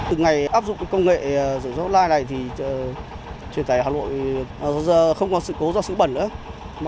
từ ngày áp dụng công nghệ rửa dấu online này thì truyền tài hà nội không còn sự cố do sự bẩn nữa